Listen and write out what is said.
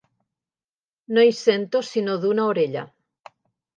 No hi sento sinó d'una orella.